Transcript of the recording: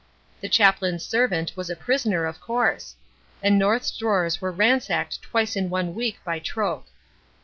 The chaplain's servant was a prisoner, of course; and North's drawers were ransacked twice in one week by Troke.